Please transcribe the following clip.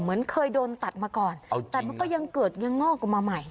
เหมือนเคยโดนตัดมาก่อนแต่มันก็ยังเกิดยังงอกออกมาใหม่